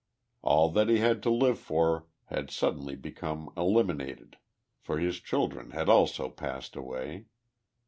All that lie had to live for had suddenly become eliminated, for his children had also passed away.